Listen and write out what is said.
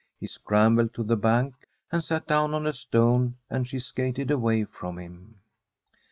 He scrambled to the bank and sat down on a stone, and she skated away from him.